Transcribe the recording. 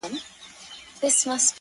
o ورځي د وريځي يارانه مــاتـه كـړه؛